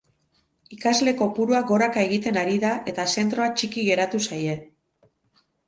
Ikasle kopurua goraka egiten ari da eta zentroa txiki geratu zaie.